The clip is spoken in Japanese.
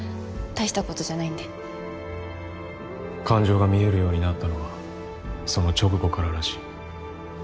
大したことじ感情が見えるようになったのはその直後かららしい。